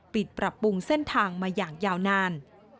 ปรับปรุงเส้นทางมาอย่างยาวนาน